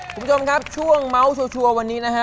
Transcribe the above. คุณผู้ชมครับช่วงเมาส์ชัวร์วันนี้นะฮะ